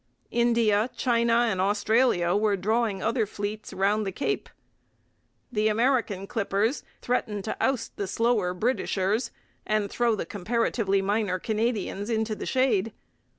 India, China, and Australia were drawing other fleets round the Cape. The American clippers threatened to oust the slower 'Britishers' and throw the comparatively minor Canadians into the shade.